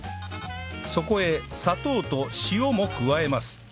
そこへ砂糖と塩も加えます